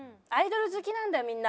アイドル好きなんだよ